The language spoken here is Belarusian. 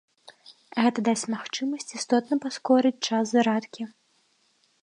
Гэта дасць магчымасць істотна паскорыць час зарадкі.